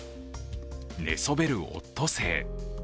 寝そべるオットセイ。